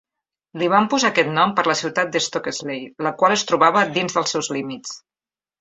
Li van posar aquest nom per la ciutat d'Stokesley, la qual es trobava dins els seus límits.